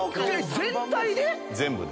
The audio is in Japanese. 全体で？